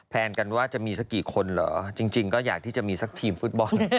แนนกันว่าจะมีสักกี่คนเหรอจริงก็อยากที่จะมีสักทีมฟุตบอล